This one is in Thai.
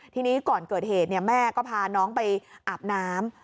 ทีนี้ก่อนเกิดเหตุแม่ก็พาน้องไปอาบน้ำ